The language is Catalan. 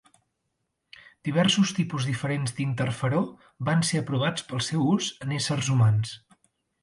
Diversos tipus diferents d'interferó van ser aprovats pel seu ús en éssers humans.